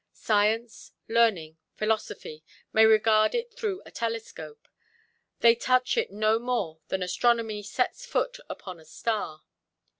Science, learning, philosophy, may regard it through a telescope: they touch it no more than astronomy sets foot upon a star.